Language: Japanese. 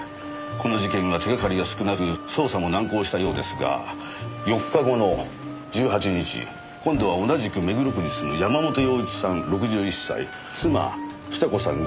この事件は手がかりが少なく捜査も難航したようですが４日後の１８日今度は同じく目黒区に住む山本洋一さん６１歳妻房子さん